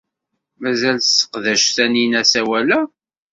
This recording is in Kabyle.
Mazal tesseqdac Taninna asawal-a?